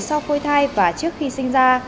sau khôi thai và trước khi sinh ra